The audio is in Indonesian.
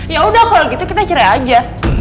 yaudah kalau gitu kita cerai aja